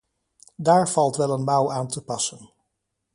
Daar valt wel een mouw aan te passen.